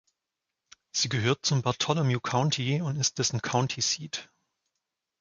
Sie gehört zum Bartholomew County und ist dessen County Seat.